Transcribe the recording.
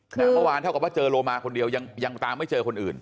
เมื่อวานเท่ากับว่าเจอโลมาคนเดียวยังตามไม่เจอคนอื่น